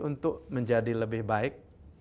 untuk menjadi lebih baik